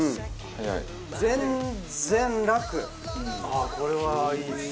ああこれはいいっすね。